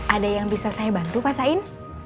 ada yang bisa saya bantu pak sain